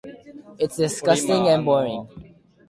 It's disgusting and boring.